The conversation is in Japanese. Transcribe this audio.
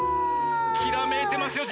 きらめいてますよ